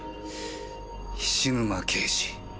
菱沼刑事。